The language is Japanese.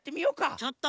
ちょっと！